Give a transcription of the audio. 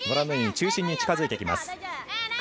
中心に近づいてきます。